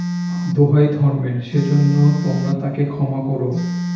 দোহাই ধর্মের, সেজন্য তোমরা তাঁকে ক্ষমা কোরো।